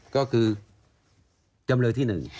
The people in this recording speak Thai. ก็คือจำเลยที่หนึ่ง